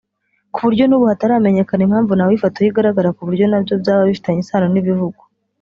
ku buryo n’ubu hataramenyekana impamvu nawe ifoto ye igaragara ku buryo nabyo byaba bifitanye isano n’ibivugwa